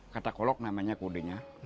kata kolok namanya kodenya